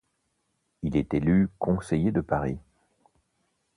Il est élu conseiller de Paris.